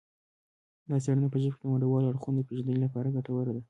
دا څیړنه په ژبه کې د ونډوالو اړخونو د پیژندنې لپاره ګټوره ده